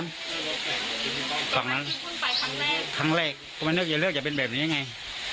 ตรงนั้นคุณไปครั้งแรกครั้งแรกก็ไม่นึกจะเลือกจะเป็นแบบนี้ไง